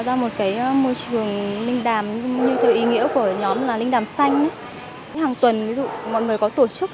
ra một cái môi trường linh đàm như theo ý nghĩa của nhóm là linh đàm xanh hàng tuần ví dụ mọi người có